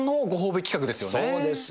そうです。